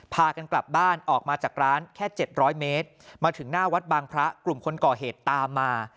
พากันกลับบ้านออกมาจากร้านแค่๗๐๐เมตรมาถึงหน้าวัดบางพระกลุ่มคนก่อเหตุตามมา